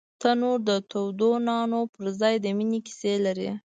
تنور د تودو نانو پر ځای د مینې کیسې لري